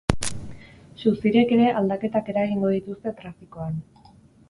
Suziriek ere aldaketak eragingo dituzte trafikoan.